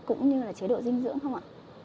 cũng như là chế độ dinh dưỡng không ạ